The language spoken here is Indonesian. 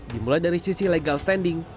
dimulai dari sisi legal standing